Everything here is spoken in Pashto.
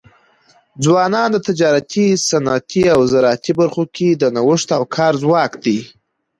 ځوانان د تجارتي، صنعتي او زراعتي برخو کي د نوښت او کار ځواک دی.